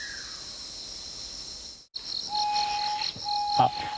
あっ！